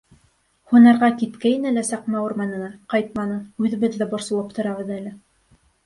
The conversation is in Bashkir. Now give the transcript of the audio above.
— Һунарға киткәйне лә Саҡма урманына, ҡайтманы, үҙебеҙ ҙә борсолоп торабыҙ әле.